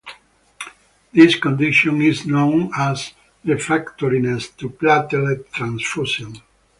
This condition is known as refractoriness to platelet transfusion.